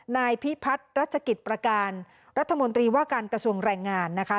นายพิพัฒน์รัชกิจประการรัฐมนตรีว่าการกระทรวงแรงงานนะคะ